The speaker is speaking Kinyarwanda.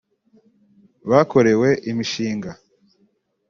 bakorewe imishinga